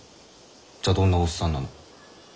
じゃあどんなおっさんなの？